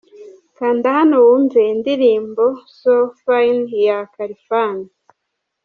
Kanda Hano wumve indirimbo 'So Fine' ya Khalfan.